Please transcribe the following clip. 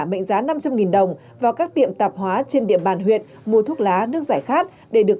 mệnh giá năm trăm linh đồng vào các tiệm tạp hóa trên địa bàn huyện mua thuốc lá nước giải khát để được